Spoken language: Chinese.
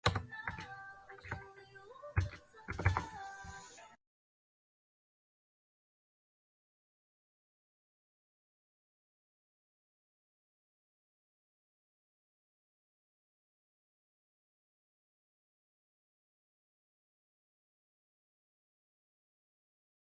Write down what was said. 高级强调的是使用复杂精密的恶意软件及技术以利用系统中的漏洞。